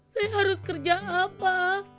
saya harus kerja apa